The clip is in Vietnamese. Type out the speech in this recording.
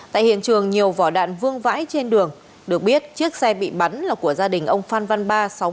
tại hiện trường nhiều vỏ đạn vương vãi trên đường được biết chiếc xe bị bắn là của gia đình ông phan văn ba mươi